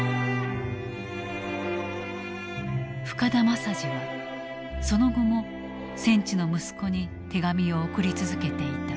深田政次はその後も戦地の息子に手紙を送り続けていた。